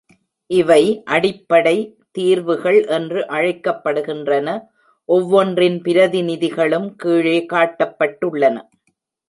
இவை "அடிப்படை" தீர்வுகள் என்று அழைக்கப்படுகின்றன; ஒவ்வொன்றின் பிரதிநிதிகளும் கீழே காட்டப்பட்டுள்ளன.